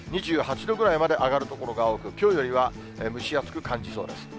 ２８度ぐらいまで上がる所が多く、きょうよりは蒸し暑く感じそうです。